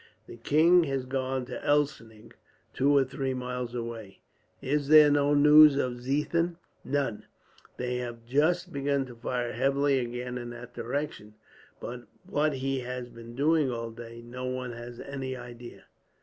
The king has gone to Elsnig, two or three miles away." "Is there no news of Ziethen?" "None. They have just begun to fire heavily again in that direction, but what he has been doing all day, no one has any idea."